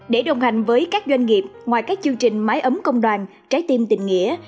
để đồng hành với các doanh nghiệp ngoài các chương trình máy ấm công đoàn trái tim tình nghĩa